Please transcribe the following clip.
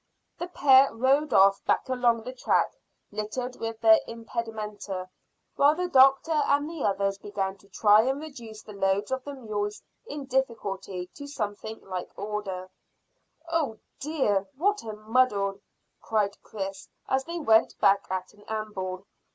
The pair rode off back along the track littered with their impedimenta, while the doctor and the others began to try and reduce the loads of the mules in difficulty to something like order. "Oh dear, what a muddle!" cried Chris, as they went back at an amble.